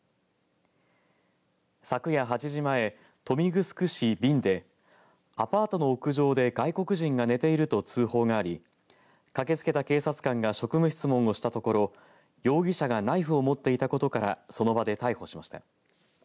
昨夜８時前豊見城市保栄茂でアパートの屋上で外国人が寝ていると通報があり駆けつけた警察官が職務質問をしたところ容疑者がナイフを持っていたことからその場で逮捕しました。